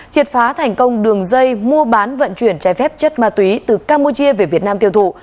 triệt phá thành công đường dây mua bán vận chuyển trái phép chất ma túy từ campuchia về việt nam tiêu thụ